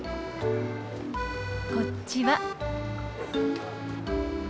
こっちは。